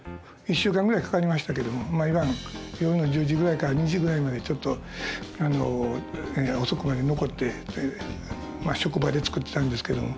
１週間ぐらいかかりましたけど毎晩夜の１０時ぐらいから２時ぐらいまでちょっと遅くまで残って職場で作ってたんですけど。